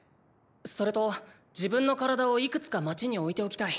それと自分の体をいくつか街においておきたい。